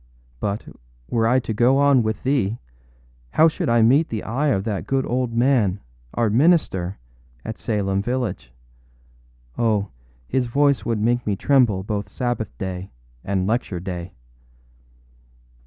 But, were I to go on with thee, how should I meet the eye of that good old man, our minister, at Salem village? Oh, his voice would make me tremble both Sabbath day and lecture day.